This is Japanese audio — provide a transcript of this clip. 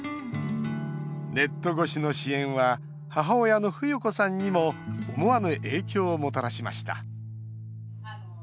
ネット越しの支援は母親の冬子さんにも思わぬ影響をもたらしました。